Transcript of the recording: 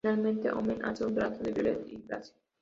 Finalmente, Omen hace un trato con Violet y Blaze.